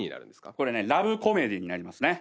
これねラブコメディーになりますね。